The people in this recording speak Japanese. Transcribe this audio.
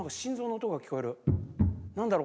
何だろ？